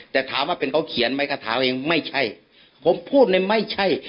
แต่ถามว่าเป็นเขาเขียนไม้คาถาอะไรไม่ใช่ผมพูดในไม่ใช่